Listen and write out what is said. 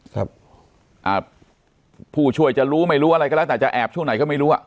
ครับอ่าผู้ช่วยจะรู้ไม่รู้อะไรก็แล้วแต่จะแอบช่วงไหนก็ไม่รู้อ่ะ